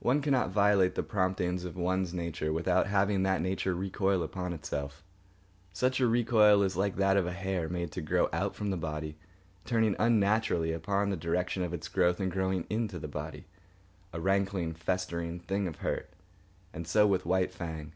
One cannot violate the promptings of one's nature without having that nature recoil upon itself. Such a recoil is like that of a hair, made to grow out from the body, turning unnaturally upon the direction of its growth and growing into the body—a rankling, festering thing of hurt. And so with White Fang.